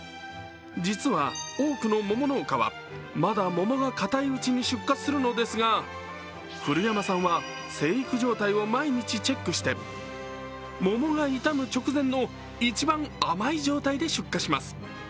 実は、多くの桃農家は、まだ桃が硬いうちに出荷するのですが古山さんは、生育状態を毎日チェックして桃が傷む直前の、一番甘い状態で出荷します。